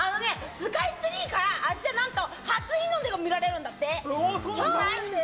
スカイツリーからあした何と初日の出が見られるんだって。